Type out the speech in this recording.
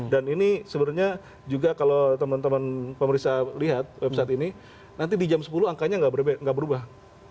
dan ini sebenarnya juga kalau teman teman pemerintah lihat website ini nanti di jam sepuluh angkanya tidak berubah